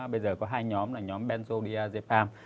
bây giờ có hai nhóm là nhóm benzodiazepam